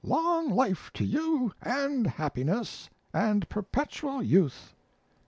Long life to you and happiness and perpetual youth!"